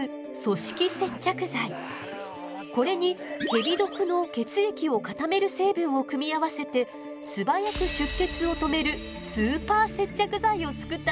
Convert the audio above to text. これにヘビ毒の血液を固める成分を組み合わせて素早く出血を止めるスーパー接着剤を作ったのよ。